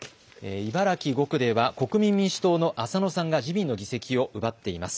茨城５区では国民民主党の浅野さんが自民の議席を奪っています。